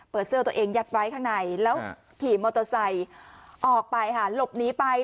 เปิดเสื้อตัวเองยัดไว้ข้างในแล้วขี่โมโตไซค์ออกไปลบหนีไป